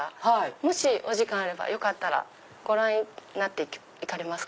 もしお時間あればご覧になって行かれますか？